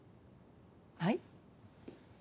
はい？